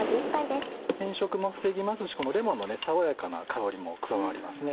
変色も防ぎますしこのレモンの爽やかな香りも加わりますね。